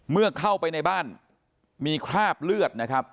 เมื่อเข้าไปในบ้านมีคราบเลือดนะครับ